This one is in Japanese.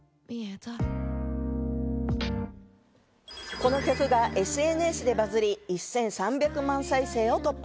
この曲がＳＮＳでバズり、１３００万再生を突破。